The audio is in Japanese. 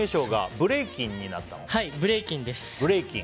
ブレイキンです。